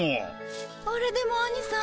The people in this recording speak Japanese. あれでもアニさん